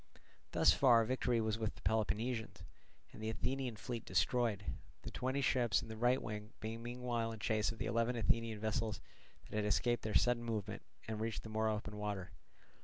Thus far victory was with the Peloponnesians, and the Athenian fleet destroyed; the twenty ships in the right wing being meanwhile in chase of the eleven Athenian vessels that had escaped their sudden movement and reached the more open water.